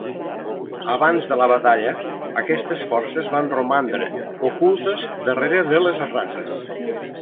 Abans de la batalla, aquestes forces van romandre ocultes darrere de les rases.